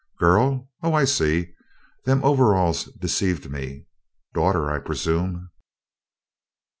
"Girl? Oh, I see! Them overalls deceived me. Daughter, I presume."